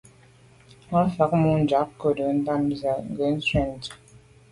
Á fáŋ nùm dìǎŋ ncúndá támzə̄ à ŋgə̂ sû ŋgə́tú’.